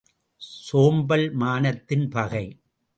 சோம்பல் மானத்தின் பகை!